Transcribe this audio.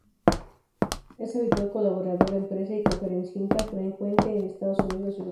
Es habitual colaborador en prensa y conferenciante frecuente en Estados Unidos y otros países.